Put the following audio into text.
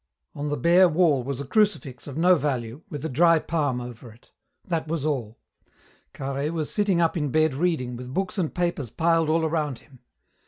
On the bare wall was a crucifix of no value, with a dry palm over it. That was all. Carhaix was sitting up in bed reading, with books and papers piled all around him.